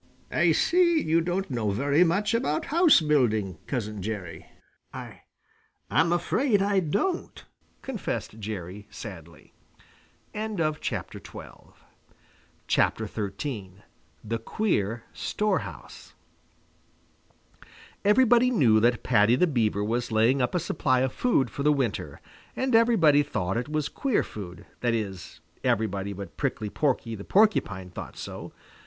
I see you don't know very much about house building, Cousin Jerry." "I I'm afraid I don't," confessed Jerry sadly. XIII THE QUEER STOREHOUSE Everybody knew that Paddy the Beaver was laying up a supply of food for the winter, and everybody thought it was queer food. That is, everybody but Prickly Porky the Porcupine thought so.